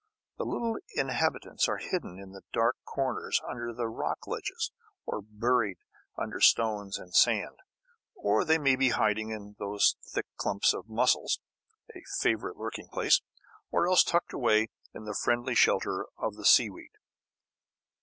The little inhabitants are hidden in the dark corners under the rock ledges, or buried under stones and sand; or they may be hiding in those thick clumps of mussels a favourite lurking place; or else tucked away in the friendly shelter of the seaweed.